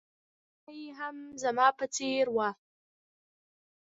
قد او ونه يې هم زما په څېر وه.